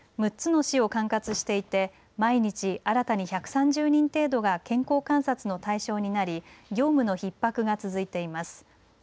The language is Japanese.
６つの市を管轄していて毎日新たに１３０人程度が健康観察の対象になり業務のひっ迫が続いています。